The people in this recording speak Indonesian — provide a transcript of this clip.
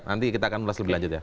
nanti kita akan ulas lebih lanjut ya